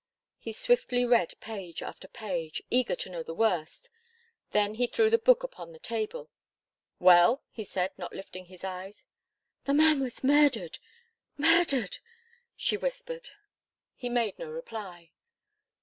He swiftly read page after page, eager to know the worst. Then he threw the book upon the table. "Well?" he said, not lifting his eyes. "The man was murdered murdered!" she whispered. He made no reply.